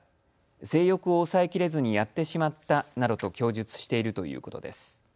性欲を抑えきれずにやってしまったなどと供述しているということです。